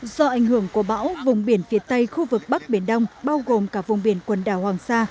do ảnh hưởng của bão vùng biển phía tây khu vực bắc biển đông bao gồm cả vùng biển quần đảo hoàng sa